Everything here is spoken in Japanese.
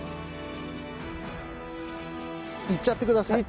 いっちゃってください。